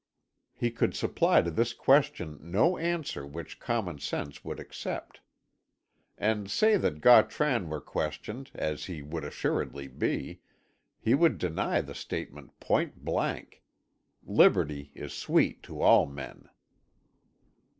He could supply to this question no answer which common sense would accept. And say that Gautran were questioned, as he would assuredly be. He would deny the statement point blank. Liberty is sweet to all men.